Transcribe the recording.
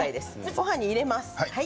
ごはんに入れます。